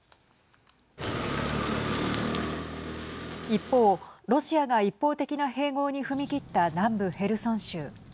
一方、ロシアが一方的な併合に踏み切った南部ヘルソン州。